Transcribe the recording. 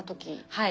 はい。